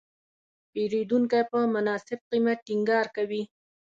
پیرودونکی په مناسب قیمت ټینګار کوي.